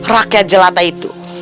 rakyat jelata itu